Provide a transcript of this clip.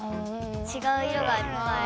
ちがう色がいっぱい。